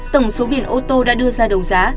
tổng số biển ô tô đã đưa ra đấu giá